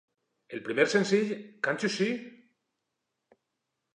El primer senzill Can't You See?